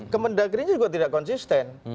kemendagri juga tidak konsisten